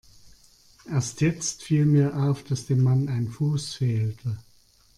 Erst jetzt viel mir auf, dass dem Mann ein Fuß fehlte.